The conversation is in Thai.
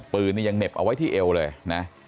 ปืนนี่ยังเหน็บเอาไว้ที่เอวเลยนะ